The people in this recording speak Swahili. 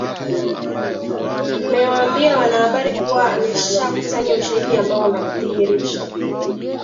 mewaambia wanahabari kuwa ameshakusanya ushahidi ambao unadhihirisha